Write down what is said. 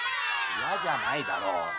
「いや」じゃないだろう